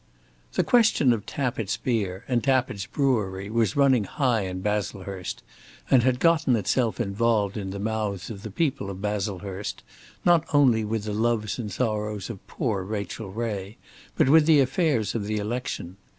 The question of Tappitt's beer and Tappitt's brewery was running high in Baslehurst, and had gotten itself involved in the mouths of the people of Baslehurst, not only with the loves and sorrows of poor Rachel Ray, but with the affairs of this election.